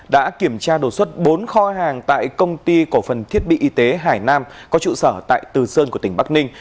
đã kiểm tra đột xuất bốn kho hàng tại công ty cổ phần thiết bị y tế hải nam có trụ sở tại từ sơn của tỉnh bắc ninh